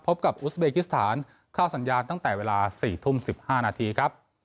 พบกับอุสเบกิสถานเข้าสัญญาณตั้งแต่เวลา๔ทุ่ม๑๕นาทีครับ